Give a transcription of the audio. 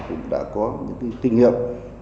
cũng đã có những kinh nghiệm